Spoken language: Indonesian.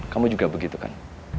kamu juga begitu kan